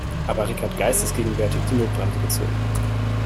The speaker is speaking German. Aber Rick hat geistesgegenwärtig die Notbremse gezogen.